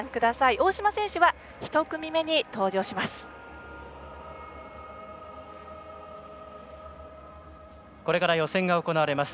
大島選手は１組目に登場します。